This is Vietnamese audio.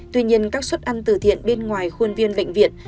tuy nhiên các suất ăn từ thiện bên ngoài khuôn viên bệnh viện